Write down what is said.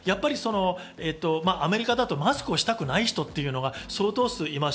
アメリカだとマスクをしたくない人っていうのが相当数います。